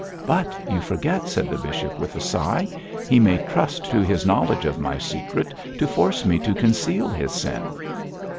'But you forget,' said the bishop, with a sigh. 'He may trust to his knowledge of my secret to force me to conceal his sin.'